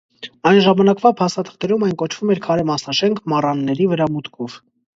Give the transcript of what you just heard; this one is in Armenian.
Այն ժամանակվա փաստաթղթերում այն կոչվում էր «քարե մասնաշենք մառանների վրա մուտքով»։